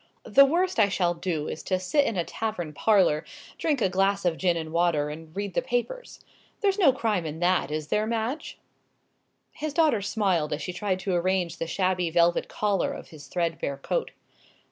The worst I shall do is to sit in a tavern parlour, drink a glass of gin and water, and read the papers. There's no crime in that, is there, Madge?" His daughter smiled as she tried to arrange the shabby velvet collar of his threadbare coat.